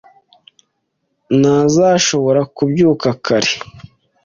ntazashobora kubyuka kare.